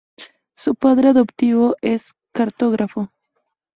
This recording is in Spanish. Su padre adoptivo es cartógrafo.